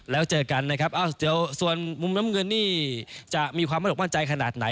แล้วเจอกันนะครับเดี๋ยวส่วนมุมน้ำเงินนี่จะมีความไม่ออกมั่นใจขนาดไหน